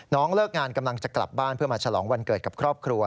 เลิกงานกำลังจะกลับบ้านเพื่อมาฉลองวันเกิดกับครอบครัว